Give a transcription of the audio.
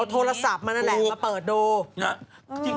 โทรศัพท์มานั่นแหละมาเปิดดู